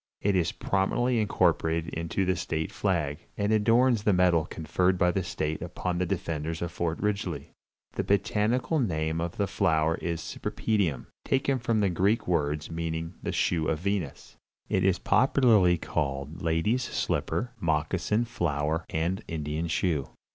It is prominently incorporated into the state flag, and adorns the medal conferred by the state upon the defenders of Fort Ridgely. The botanical name of the flower is Cypripedium, taken from Greek words meaning the shoe of Venus. It is popularly called "Lady's Slipper," "Moccasin Flower" and "Indian Shoe."